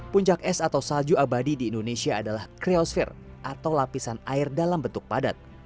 puncak es atau salju abadi di indonesia adalah creosfer atau lapisan air dalam bentuk padat